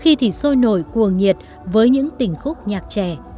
khi thì sôi nổi cuồng nhiệt với những tình khúc nhạc trẻ